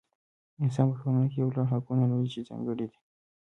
انسانان په ټولنه کې یو لړ حقونه لري چې ځانګړي دي.